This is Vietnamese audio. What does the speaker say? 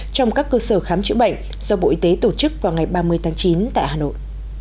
trong các cơ sở khám chữa bệnh do bộ y tế tổ chức vào ngày ba mươi tháng chín tại hà nội